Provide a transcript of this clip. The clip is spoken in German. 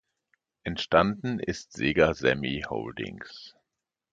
Entstanden ist Sega Sammy Holdings.